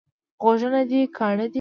غوږونه دي کاڼه دي؟